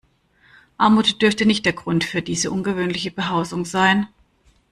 Armut dürfte nicht der Grund für diese ungewöhnliche Behausung sein.